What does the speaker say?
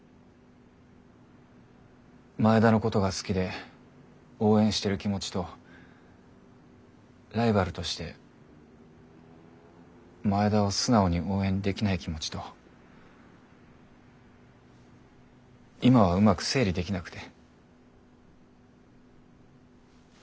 前田のことが好きで応援してる気持ちとライバルとして前田を素直に応援できない気持ちと今はうまく整理できなくて。